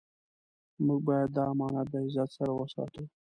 موږ باید دا امانت د عزت سره وساتو.